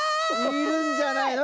いるんじゃないの？